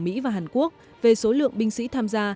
mỹ và hàn quốc về số lượng binh sĩ tham gia